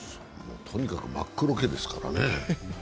とにかく真っ黒けですからね。